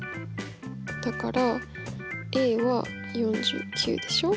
だからは４９でしょ？